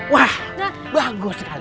wah bagus sekali